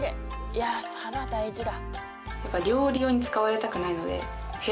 いやあ皿大事だ。